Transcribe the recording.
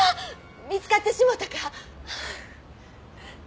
見つかってしもたか。